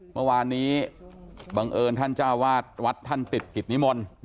เมื่อวานนี้บังเอิญท่านเจ้าวาดวัดท่านติดกิจนิมนต์